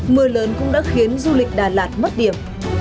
mưa lớn cũng đã khiến du lịch đà lạt mất điểm